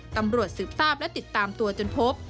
ตำรวจสืบทราบและติดตามตัวจนพบ